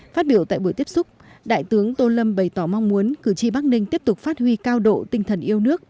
phát biểu tại buổi tiếp xúc đại tướng tô lâm bày tỏ mong muốn cử tri bắc ninh tiếp tục phát huy cao độ tinh thần yêu nước